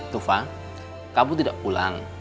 tufa kamu tidak pulang